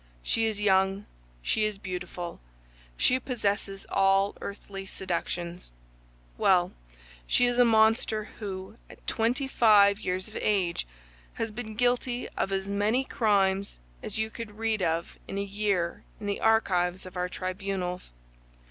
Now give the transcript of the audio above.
She is young; she is beautiful; she possesses all earthly seductions. Well, she is a monster, who, at twenty five years of age, has been guilty of as many crimes as you could read of in a year in the archives of our tribunals.